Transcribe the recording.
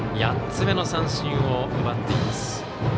８つ目の三振を奪っています。